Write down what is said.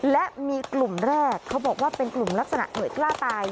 และมีกลุ่มแรกเขาบอกว่าเป็นกลุ่มลักษณะเหมือนกล้าตาย